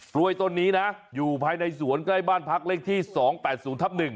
กล้วยต้นนี้นะอยู่ภายในสวนใกล้บ้านพักเลขที่๒๘๐ทับ๑